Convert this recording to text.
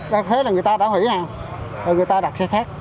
rồi thế là người ta đã hủy hàng rồi người ta đặt xe khác